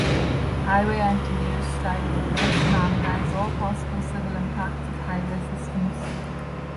Highway engineers strive to predict and analyze all possible civil impacts of highway systems.